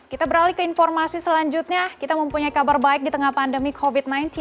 kita beralih ke informasi selanjutnya kita mempunyai kabar baik di tengah pandemi covid sembilan belas